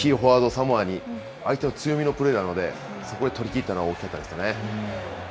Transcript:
サモアに、相手の強みのプレーなので、そこで取りきったのは大きかったですよね。